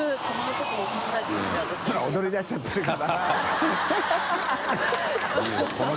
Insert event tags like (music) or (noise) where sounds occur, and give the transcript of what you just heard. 曚踊りだしちゃってるから (laughs)